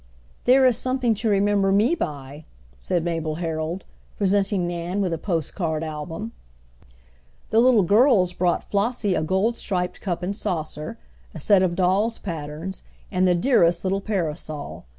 "There is something to remember me by," said Mabel Herold, presenting Nan with a postcard album. The little girls brought Flossie a gold striped cup and saucer, a set of doll's patterns, and the dearest little parasol.